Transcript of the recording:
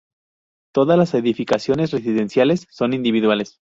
Todas las edificaciones residenciales son individuales.